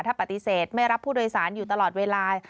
ถ้าปฏิเสธไม่รับผู้โดยสารอยู่ตลอดเวลา